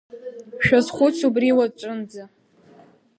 Шәазхәыц убри уаҵәынӡа…